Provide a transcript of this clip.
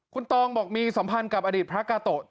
คุณตองบอกมีสัมพันธ์กับอดีตพระกาโตะ